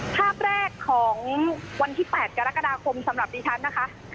ภาพแรกของวันที่๘กรกฎาคมสำหรับดิฉันนะคะ